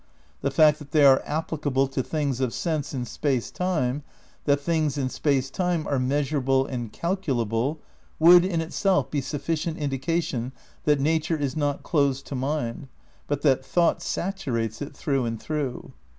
The fact that they are ap plicable to things of sense in Space Time, that things in Space Time are measurable and calculable, would in itself be sufficient indication that nature is not "closed to mind," but that thought saturates it through and through.